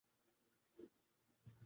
جب نیلو کا عروج تھا۔